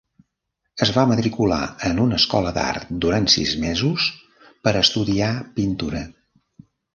Es va matricular en una escola d'art durant sis mesos per estudiar pintura.